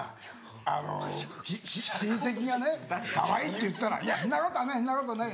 あの親戚がね「かわいい」って言ったら「いやそんなことはないそんなことないよ。